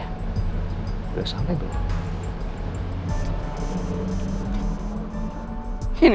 sambil sampai voltinya